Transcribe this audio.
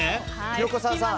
横澤さん